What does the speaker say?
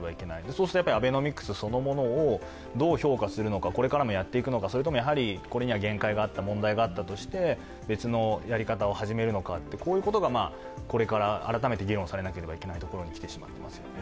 そうするとアベノミクスそのものをどう評価するのか、これからもやっていくのか、それともこれには限界があった、問題があったとして、別のやり方を始めるのかこういうことがこれから改めて議論されなければいけないところにきてますね。